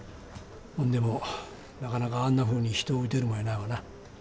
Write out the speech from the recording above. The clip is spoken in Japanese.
んでもなかなかあんなふうに人を撃てるもんやないわな。